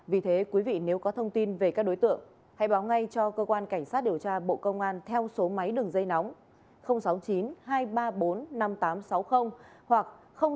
vì thế quý vị nếu có thông tin về các đối tượng hãy báo ngay cho cơ quan cảnh sát điều tra bộ công an theo số máy đường dây nóng sáu mươi chín hai trăm ba mươi bốn năm nghìn tám trăm sáu mươi hoặc sáu mươi chín hai trăm ba mươi hai một nghìn sáu trăm bảy